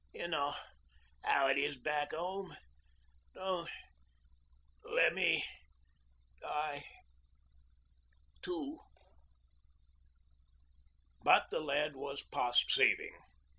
You know how it is, back home. Don't let me die too.' But the lad was past saving.